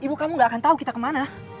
ibu kamu gak akan tahu kita kemana